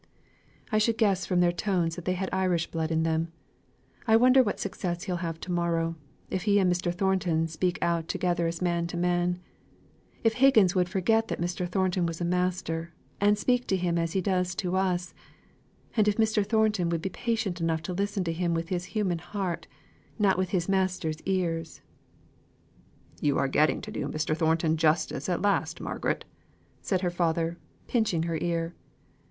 "I should guess by their tones that they had Irish blood in them. I wonder what success he'll have to morrow. If he and Mr. Thornton would speak out together as man to man if Higgins would forget that Mr. Thornton was a master, and speak to him as he does to us and if Mr. Thornton would be patient enough to listen to him with his human heart, not with his master's ears " "You are getting to do Mr. Thornton justice at last, Margaret," said her father, pinching her ear.